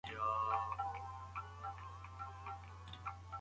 تجربه لرو.